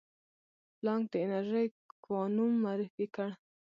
پلانک د انرژي کوانوم معرفي کړ.